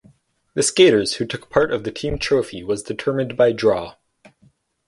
The skaters who took part the team trophy was determined by draw.